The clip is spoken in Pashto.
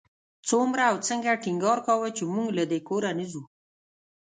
څومره او څنګه ټینګار کاوه چې موږ له دې کوره نه ځو.